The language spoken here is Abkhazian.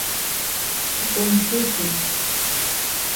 Дҟәымшәышәын.